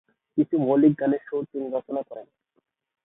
কিছু মৌলিক গানের সুরও তিনি রচনা করেন।